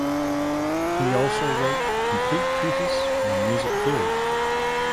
He also wrote "Complete treatise on music theory".